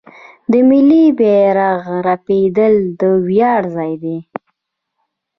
د ملي بیرغ رپیدل د ویاړ ځای دی.